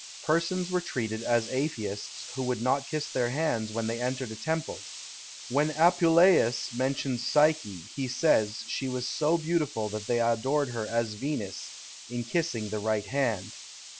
Persons were treated as atheists, who would not kiss their hands when they entered a temple. When Apuleius mentions Psyche, he says, she was so beautiful that they adored her as Venus, in kissing the right hand.